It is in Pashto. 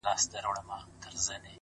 • د بازانو د مرغانو ننداره وه ,